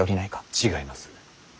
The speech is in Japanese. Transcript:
違います。